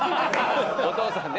お父さんね。